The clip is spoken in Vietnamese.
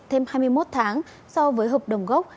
thêm hai mươi một tháng so với hợp đồng gốc